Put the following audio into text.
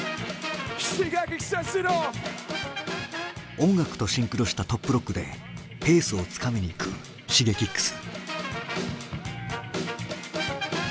音楽とシンクロしたトップロックでペースをつかみにいくＳｈｉｇｅｋｉｘ。